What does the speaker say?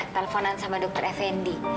teleponan sama dokter fnd